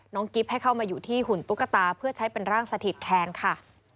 กิ๊บให้เข้ามาอยู่ที่หุ่นตุ๊กตาเพื่อใช้เป็นร่างสถิตแทนค่ะ